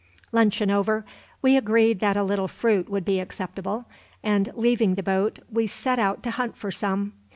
Luncheon over, we agreed that a little fruit would be acceptable and, leaving the boat, we set out to hunt for some.